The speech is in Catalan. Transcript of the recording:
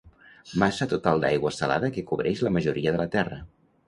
Massa total d'aigua salada que cobreix la majoria de la terra.